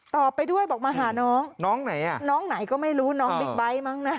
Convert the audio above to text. ไปด้วยบอกมาหาน้องน้องไหนอ่ะน้องไหนก็ไม่รู้น้องบิ๊กไบท์มั้งนะ